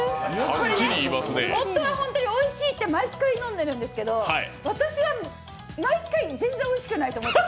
夫は本当においしいって毎回飲んでるんですけど私は、毎回、全然おいしくないと思ってて。